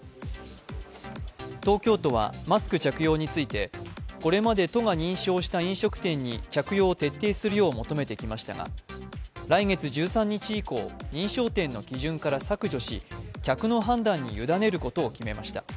東京都はマスク着用についてこれまで都が認証した飲食店に着用を徹底するよう求めてきましたが来月１３日以降認証店の基準から削除し客の判断に委ねることを決めました。